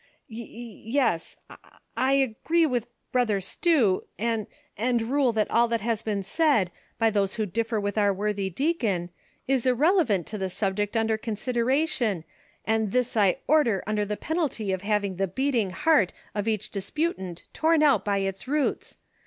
Te s, I — I — I agree with Brother Stew, an — and rule that all that has been said, by those who differ with our worthy deacon, is irrelevant to the subject under consider ation, and this I order under the penalty of having the heating lieaH of each disputant torn out by its roots